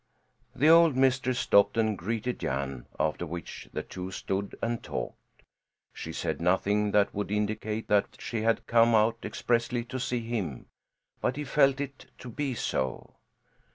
The old mistress stopped and greeted Jan, after which the two stood and talked. She said nothing that would indicate that she had come out expressly to see him, but he felt it to be so.